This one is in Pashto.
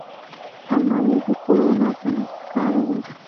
الماري د کور نظم ښکاروي